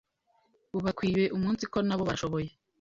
bubakwiye umunsiko nabo barashoboye.